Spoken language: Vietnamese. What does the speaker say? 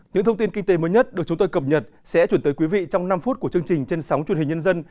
những thông tin kinh tế mới nhất được chúng tôi cập nhật sẽ chuyển tới quý vị trong năm phút của chương trình trên sóng truyền hình nhân dân